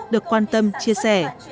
được quan tâm chia sẻ